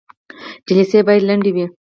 جلسې باید لنډې وي